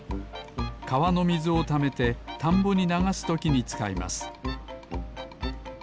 かわのみずをためてたんぼにながすときにつかいます